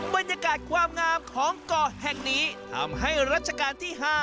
บรรยากาศความงามของเกาะแห่งนี้ทำให้รัชกาลที่๕